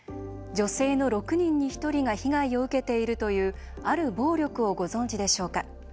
女性の６人に１人が被害を受けているというある暴力をご存じでしょうか。